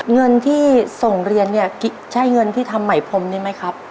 เงินที่ส่งเรียนเนี่ยใช่เงินที่ทำใหม่พรมนี่ไหมครับ